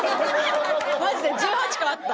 マジで１８個あった。